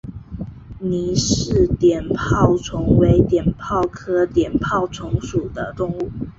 倪氏碘泡虫为碘泡科碘泡虫属的动物。